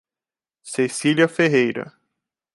Cecilia Ferreira